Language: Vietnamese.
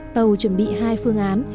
tàu chuẩn bị hai phương án